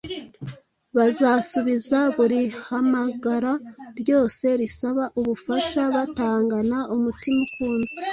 Bazasubiza buri hamagara ryose risaba ubufasha batangana umutima ukunze